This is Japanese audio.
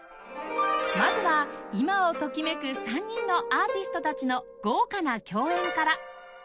まずは今をときめく３人のアーティストたちの豪華な共演から